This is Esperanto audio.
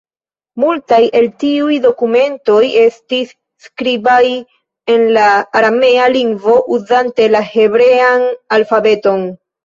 Multaj el tiuj dokumentoj estis skribaj en la aramea lingvo uzante la hebrean alfabeton.